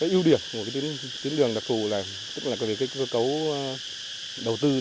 yêu điểm của tiến đường đặc thù là cơ cấu đầu tư